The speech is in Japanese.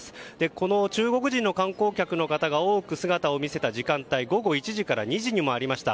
この中国人観光客が多く姿を見せた時間帯午後１時から２時にもありました。